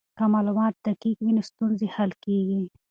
که معلومات دقیق وي نو ستونزې حل کیږي.